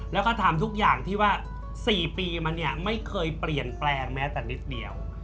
แล้วก็ทำทุกอย่างที่ว่า๔ปีมาเนี่ยไม่เคยเปลี่ยนแปลงแม้แต่นิดเดียว